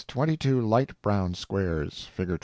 twenty two light brown squares. (Fig.